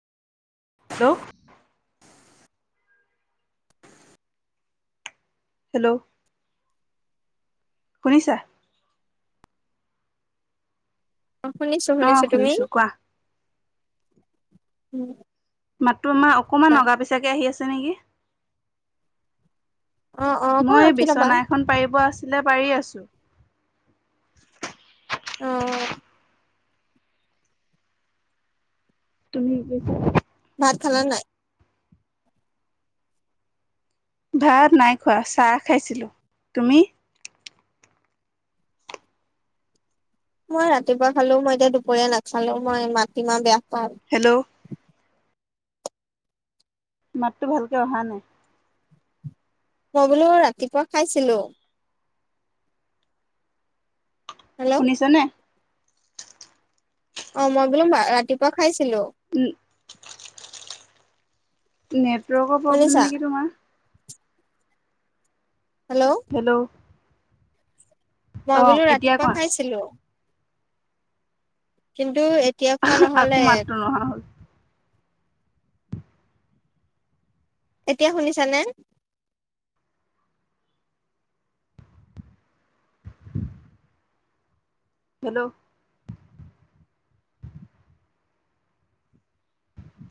Hello hello, শুনিছা। অ, অ শুনিছো-শুনিছো তুমি? শুনিছো কোৱা উম, মাতটো আমাৰ অকমান অগা পিছাকে আহি আছে নেকি? অ অ অকণ মই এই ৰখি ল'বা বিচনা এখন পাৰিব আছিলে পাৰি আছো। অ' তুমি [unintelligible] ভাত খালা নে নাই? ভাত নাই খোৱা চাহ খাইছিলো তুমি? মই ৰাতিপুৱা খালো, মই এতিয়া দুপৰীয়া নাখালো মই মাটি মাহ বেয়া পাও। হেল্ল', মাতটো ভালকে অহা নাই। মই বোলো ৰাতিপুৱা খাইছিলো। হেল্ল', শুনিছনে? অ, মই বোলো ৰাতিপুৱা খাইছিলো। উম, নেটৱৰ্কৰ প্ৰব্লেম শুনিছা নেকি তোমাৰ। হেল্ল', হেল্ল', অ মই বোলো এতিয়া ৰাতিপুৱা কোৱা খাইছিলো। কিন্তু এতিয়া খোৱা নহ'লে। অ', এতিয়া শুনিছানে? হেল্ল',